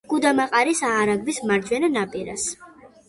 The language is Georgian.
გუდამაყრის არაგვის მარჯვენა ნაპირას.